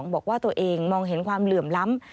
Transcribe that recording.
บอกว่าตัวเองมองเห็นความเหลื่อมล้ำ